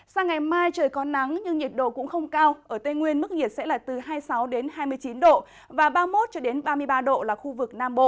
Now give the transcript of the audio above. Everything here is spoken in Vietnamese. sang ngày mai trời có nắng nhưng nhiệt độ cũng không cao ở tây nguyên mức nhiệt sẽ là từ hai mươi sáu hai mươi chín độ và ba mươi một ba mươi ba độ là khu vực nam bộ